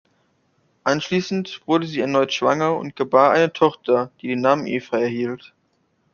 Anschließend wurde sie erneut schwanger und gebar eine Tochter, die den Namen Eva erhielt.